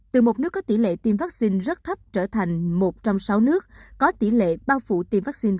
từ một nước có tỷ lệ tiêm vaccine rất thấp trở thành một trong sáu nước có tỷ lệ bao phủ tiêm vaccine